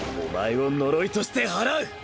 お前を呪いとして祓う！